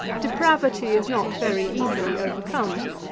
Depravity is not very easily overcome.